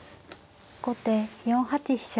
後手４八飛車。